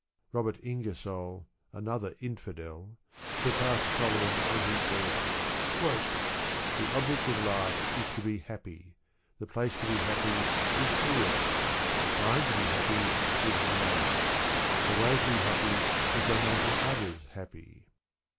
Robert Ingersoll, another "Infidel," surpassed Solomon when he said: The object of life is to be happy, the place to be happy is here, the time to be happy is now, the way to be happy is by making others happy.